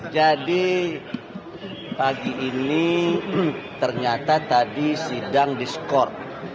jadi pagi ini ternyata tadi sidang diskor